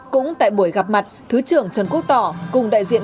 cũng tại buổi gặp mặt thứ trưởng trần quốc tỏ cùng đại diện